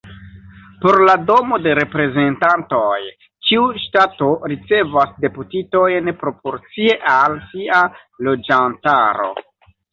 Por la Domo de Reprezentantoj, ĉiu ŝtato ricevas deputitojn proporcie al sia loĝantaro.